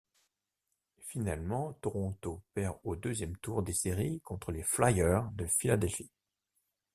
Finalement Toronto perd au deuxième tour des séries contre les Flyers de Philadelphie.